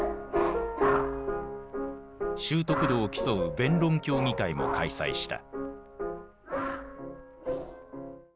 習得度を競う弁論競技会も開催した。